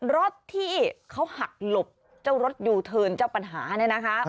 รถที่เขาหักหลบเจ้ารถยูเทิร์นเจ้าปัญหาเนี่ยนะคะ